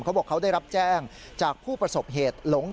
เขาบอกเขาได้รับแจ้งจากผู้ประสบเหตุหลง